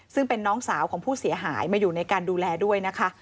ซึ่งเป็นน้องสาวของผู้เสียหายมาอยู่ในการดูแลด้วยนะคะ